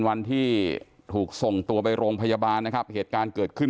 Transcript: วันที่ถูกส่งตัวไปโรงพยาบาลนะครับเหตุการณ์เกิดขึ้น